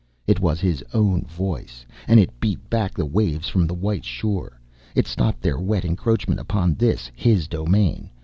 It was his own voice, and it beat back the waves from the white shore, it stopped their wet encroachment upon this, his domain.